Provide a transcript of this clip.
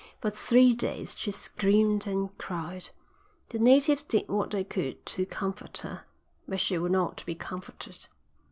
For three days she screamed and cried. The natives did what they could to comfort her, but she would not be comforted.